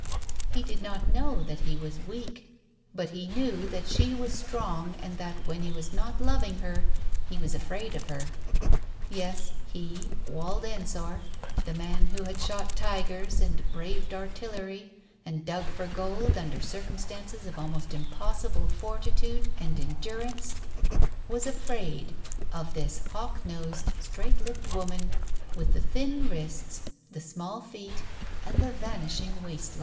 He did not know that he was weak, but he knew that she was strong and that when he was not loving her, he was afraid of her. Yes, he, Wald Ensor, the man who' had shot tigers and braved artillery and dug for* gold under circumstances of almost impossible fortitude and endurance, was afraid of this Digitized by Google 274 TALES OF THE UNEASY hawk nosed, straight lipped woman, with the thin wrists, the small feet and the vanishing waist.